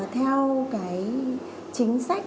theo cái chính sách